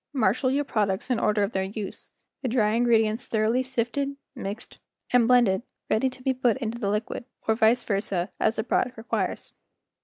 Marshal your products in the order of their use, the dry in¬ gredients thoroughly sifted, mixed, and blended ready to be put into the liquid, or vice versa, as the product requires.